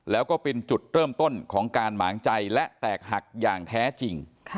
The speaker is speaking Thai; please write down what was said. แล้วก็เป็นจุดเริ่มต้นของการหมางใจและแตกหักอย่างแท้จริง